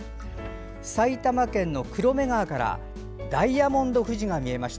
埼玉県の黒目川からダイヤモンド富士が見えました。